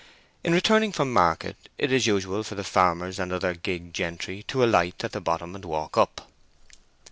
In returning from market it is usual for the farmers and other gig gentry to alight at the bottom and walk up.